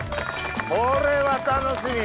これは楽しみ！